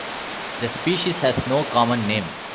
The species has no common name.